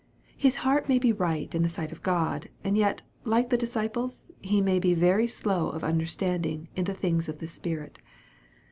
His heart may be right in the sight of God, and yet, like the disciples, he may be very slow of understanding in the things of the Spirit.